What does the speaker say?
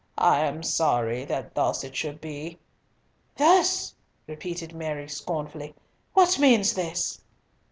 "I am sorry that thus it should be." "Thus!" repeated Mary, scornfully. "What means this?"